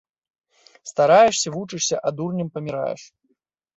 Стараешся, вучышся, а дурнем паміраеш